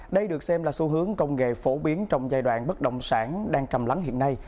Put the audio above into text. đây được xem là xu hướng công nghệ phổ biến trong giai đoạn bất động sản đang trầm lắng hiện nay